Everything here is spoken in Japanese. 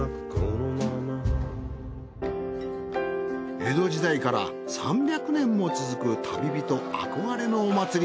江戸時代から３００年も続く旅人憧れのお祭り